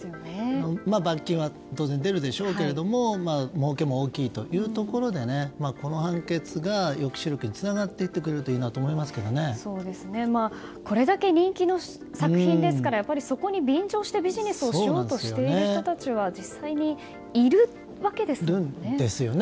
罰金は当然、出るでしょうけどもうけも大きいということでこの判決が抑止力につながっていってくれるとこれだけ人気の作品ですからそこに便乗してビジネスをしようとしている人たちは実際にいるわけですよね。